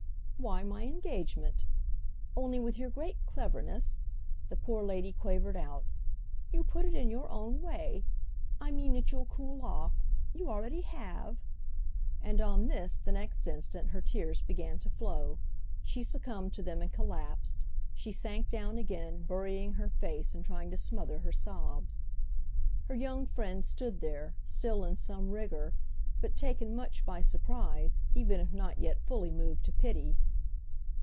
"Why my engagement. Only, with your great cleverness," the poor lady quavered out, "you put it in your own way. I mean that you'll cool off. You already have—!" And on this, the next instant, her tears began to flow. She succumbed to them and collapsed; she sank down again, burying her face and trying to smother her sobs. Her young friend stood there, still in some rigour, but taken much by surprise even if not yet fully moved to pity.